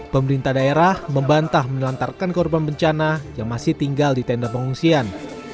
pemerintah daerah membantah menelantarkan korban bencana yang masih tinggal di tenda pengungsian